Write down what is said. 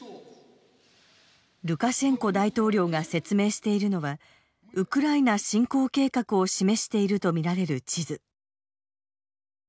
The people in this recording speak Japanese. ルカシェンコ大統領が説明しているのはウクライナ侵攻計画を示しているとみられる地図。